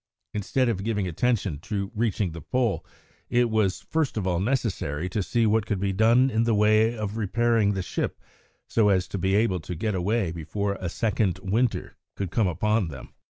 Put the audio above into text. Instead of giving attention to reaching the Pole, it was first of all necessary to see what could be done in the way of repairing the ship so as to be able to get away before a second winter could come upon them.